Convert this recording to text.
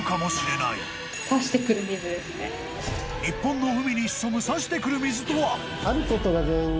日本の海に潜む刺してくる水とは。